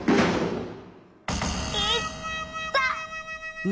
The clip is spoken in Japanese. いった。